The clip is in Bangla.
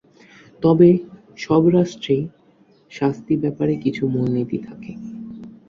তবে সব রাষ্ট্রেই শাস্তি ব্যাপারে কিছু মূল নীতি থাকে।